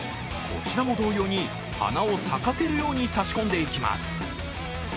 こちらも同様に、花を咲かせるように差し込んでいきます。